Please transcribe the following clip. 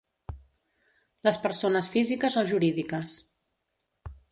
Les persones físiques o jurídiques.